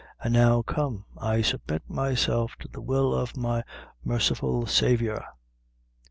And now come; I submit myself to the will of my marciful Saviour."